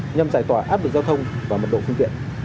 nhằm giải tỏa áp lực giao thông và mật độ phương tiện